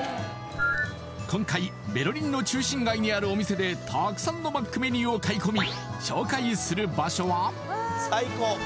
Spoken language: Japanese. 今回ベルリンの中心街にあるお店でたくさんのマックメニューを買い込み